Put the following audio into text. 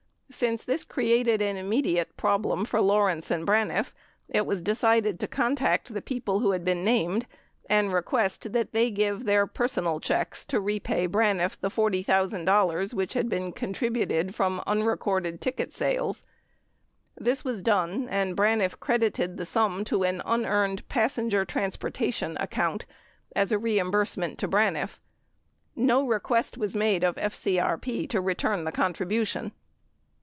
Since this created an immediate problem for Lawrence and Braniff, it was decided to contact the people named and request that they give their personal checks to repay Bran iff the $40,000 which had been contributed from unrecorded ticket sales. 56 This was done and Braniff credited the sum to an unearned passenger transportation account as reimbursement to Braniff. No request was made of FCRP to return the contribution.